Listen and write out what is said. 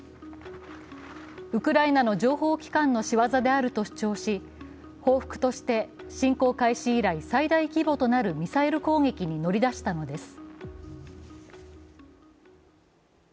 ウクライナの情報機関の仕業であると主張し報復として侵攻開始以来、最大規模となるミサイル攻撃に乗り出したのです。